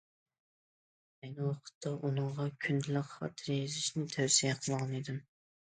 مەن ئەينى ۋاقىتتا ئۇنىڭغا كۈندىلىك خاتىرە يېزىشنى تەۋسىيە قىلغان ئىدىم.